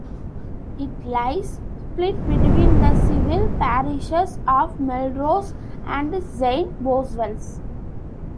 It lies split between the civil parishes of Melrose and Saint Boswells.